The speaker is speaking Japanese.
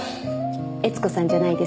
悦子さんじゃないですか？